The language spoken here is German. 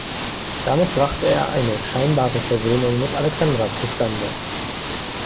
Damit brachte er eine scheinbare Versöhnung mit Alexandra zustande.